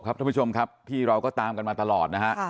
ท่านผู้ชมครับที่เราก็ตามกันมาตลอดนะฮะ